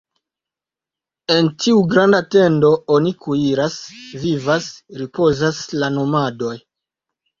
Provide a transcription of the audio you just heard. En tiu granda tendo oni kuiras, vivas, ripozas la nomadoj.